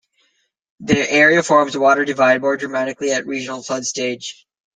The area forms a water divide, more dramatically at regional flood stage.